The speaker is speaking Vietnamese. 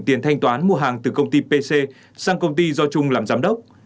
tiền thanh toán mua hàng từ công ty pc sang công ty do trung làm giám đốc